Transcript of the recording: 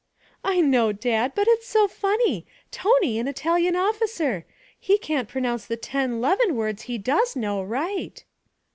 'I know, Dad, but it's so funny Tony an Italian officer! He can't pronounce the ten 'leven words he does know right.'